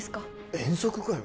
遠足かよ